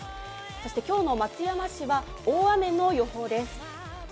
そして今日の松山市は大雨の予報です。